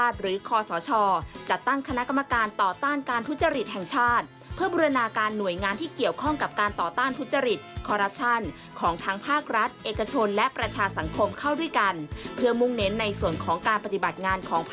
ติดตามรุ่นนี้พร้อมกันจากรายงาน